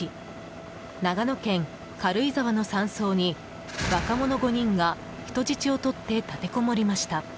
長野県軽井沢の山荘に若者５人が人質をとって立てこもりました。